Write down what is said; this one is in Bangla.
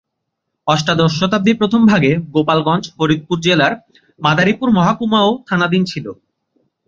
অষ্টাদশ শতাব্দীর প্রথম ভাগে গোপালগঞ্জ ফরিদপুর জেলার মাদারীপুর মহকুমা ও থানাধীন ছিল।